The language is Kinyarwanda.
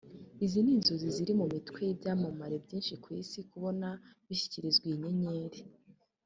Izi ni inzozi ziri mu mitwe y’ibyamamare byinshi ku isi kubona bishyikirizwa iyi nyenyeri